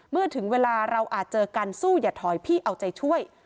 เมื่อถึงเวลาเราอาจเจอกันสู้อย่าถอยพี่เอาใจช่วย